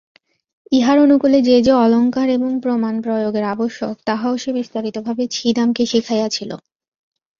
ইহার অনুকূলে যে যে অলংকার এবং প্রমাণ প্রয়োগের আবশ্যক তাহাও সে বিস্তারিতভাবে ছিদামকে শিখাইয়াছিল।